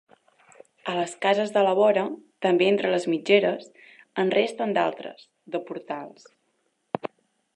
A les cases de la vora, també entre mitgeres, en resten d'altres, de portals.